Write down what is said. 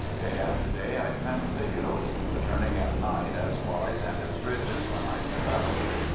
Day after day I tramped the hills, returning at night as wise and as rich as when I set out.